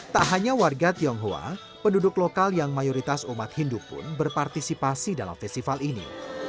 tak hanya warga tionghoa penduduk lokal yang mayoritas umat hindu pun berpartisipasi dalam festival ini